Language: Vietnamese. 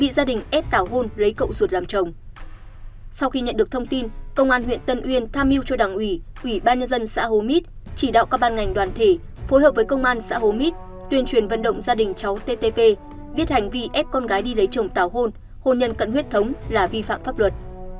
sau khi nhận được thông tin công an huyện tân uyên tham mưu cho đảng ủy ủy ban nhân dân xã hố mít chỉ đạo các ban ngành đoàn thể phối hợp với công an xã hồ mít tuyên truyền vận động gia đình cháu ttv biết hành vi ép con gái đi lấy chồng tào hôn hôn nhân cận huyết thống là vi phạm pháp luật